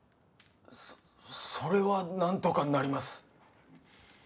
そそれは何とかなります